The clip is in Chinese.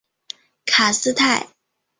卡斯泰。